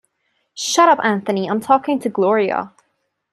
Shut up, Anthony, I'm talking to Gloria.